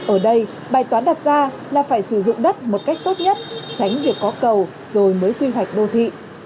ở đây bài toán đặt ra là phải sử dụng đất một cách tốt nhất tránh việc có cầu rồi mới quy hoạch đô thị